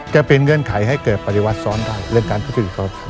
จะเป็นเงื่อนไขให้เกิดปฏิวัติซ้อนได้เรื่องการพฤติศาล